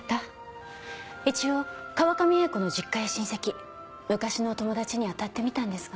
一応川上英子の実家や親戚昔の友達に当たってみたんですが。